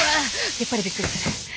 やっぱりびっくりする。